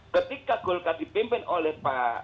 ketika golekar dipimpin oleh pak arief